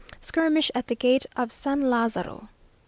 Skirmish at the gate of San Lazaro.